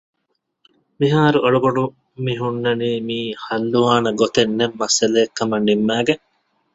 މިހާރު އަޅުގަނޑު މިހުންނަނީ މިޢީ ޙައްލުވާނެ ގޮތެއްނެތް މައްސަލައެއްކަމަށް ނިންމައިގެން